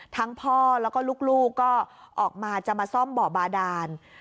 พ่อแล้วก็ลูกก็ออกมาจะมาซ่อมบ่อบาดาน